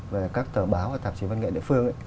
về các tờ báo và tạp chí văn nghệ địa phương ấy